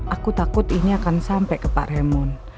aku takut ini akan sampai ke pak hemon